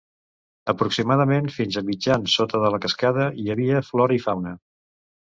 Aproximadament fins a mitjan sota de la cascada hi havia flora i fauna.